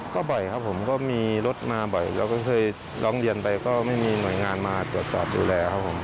ก็บ่อยครับผมก็มีรถมาบ่อยแล้วก็เคยร้องเรียนไปก็ไม่มีหน่วยงานมาตรวจสอบดูแลครับผม